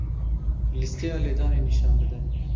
Lîsteya lêdanê nîşan bide.